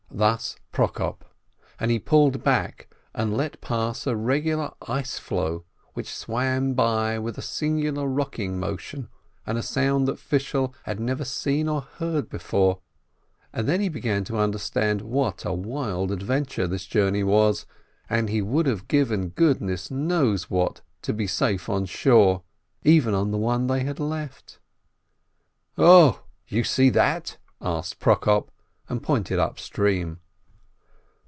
Thus Prokop, and he pulled back and let pass a regular ice floe, which swam by with a singular rocking motion and a sound that Fishel had never seen or heard before. And then he began to understand what a wild adventure this journey was, and he would have given goodness knows what to be safe on shore, even on the one they had left. "0, you see that?" asked Prokop, and pointed up stream.